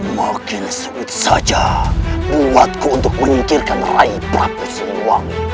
makin sebut saja buatku untuk menyingkirkan raih prapus luang